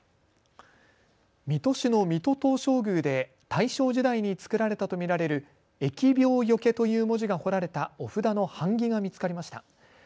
水戸市の水戸東照宮で大正時代に作られたと見られる疫病除という文字が彫られたお札の版木が見つかりました。